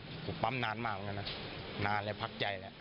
ใช่ครับผมปั๊มนานมากแล้วนะนานเลยพักใจแล้ว